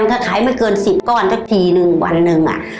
มันก็ขายไม่เกิน๑๐ก้อนทักทีหนึ่งวันหนึ่ง